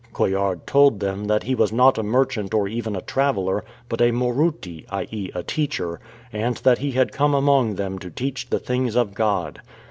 Coillard told them that he was not a merchant or even a traveller, but a Moruti, i.e. a teacher, and that he had come among them to teach the things of God.